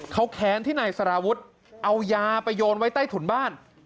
เขาแค้นที่นายสารวุฒิเอายาไปโยนไว้ใต้ถุนบ้าน